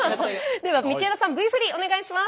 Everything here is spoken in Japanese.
では道枝さんＶ振りお願いします。